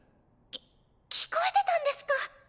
き聞こえてたんですか？